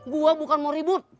gue bukan mau ribut